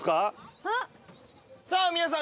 さあ皆さん。